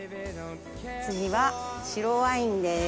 次は白ワインです。